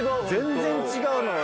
全然違うのよ